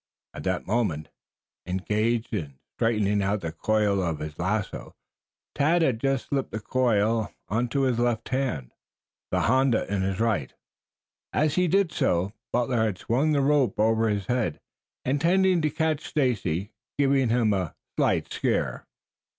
At that moment, engaged in straightening out the coils of his lasso, Tad had just slipped the coil into his left hand, the honda in his right. As he did so Butler had swung the rope over his head, intending to catch Stacy, giving him a slight scare.